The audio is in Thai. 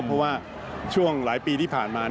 เพราะว่าช่วงหลายปีที่ผ่านมา